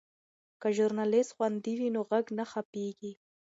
که ژورنالیست خوندي وي نو غږ نه خپیږي.